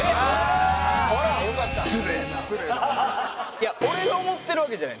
いや俺が思ってるわけじゃない。